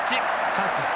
チャンスです。